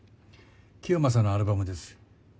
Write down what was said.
清正のアルバムです。